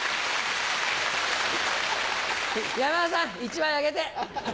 山田さん１枚あげて。